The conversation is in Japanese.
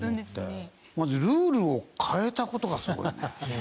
まずルールを変えた事がすごいよね。